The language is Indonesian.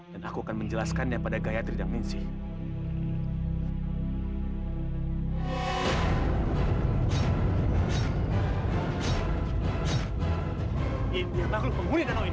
dan aku akan menjelaskannya pada gayatri dan ningsing